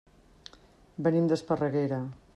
Venim d'Esparreguera.